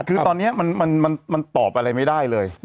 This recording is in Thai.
คือตอนนี้มันตอบอะไรไม่ได้เลย